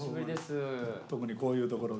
特にこういうところで。